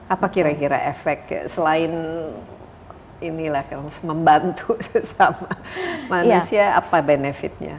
apa kira kira efek selain inilah kalau membantu sesama manusia apa benefitnya